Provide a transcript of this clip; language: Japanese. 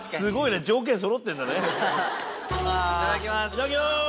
いただきます。